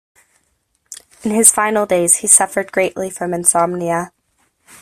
In his final days he suffered greatly from insomnia.